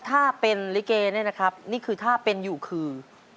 ถ้าเป็นลิเกเนี่ยนะครับนี่คือถ้าเป็นอยู่คือ